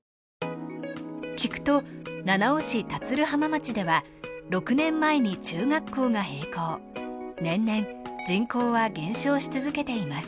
聞くと七尾市田鶴浜町では６年前に中学校が閉校年々人口は減少し続けています。